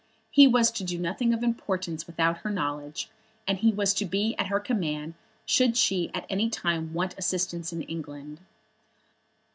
He was to do nothing of importance without her knowledge, and he was to be at her command should she at any time want assistance in England.